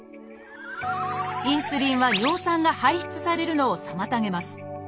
インスリンは尿酸が排出されるのを妨げます。